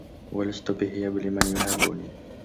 وَلَستُ بِهَيّابٍ لِمَن لا يَهابُني